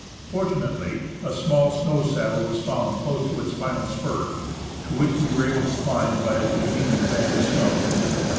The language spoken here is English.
Fortunately, a small snow saddle was found close to its final spur, to which we were able to climb by a convenient bank of snow.